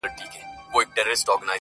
لقبونه به ورباندې اېښودل کېدل